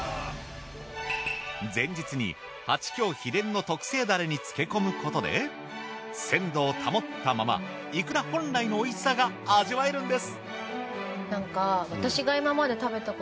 前日にはちきょう秘伝の特製だれに漬け込むことで鮮度を保ったままいくら本来のおいしさが味わえるんです！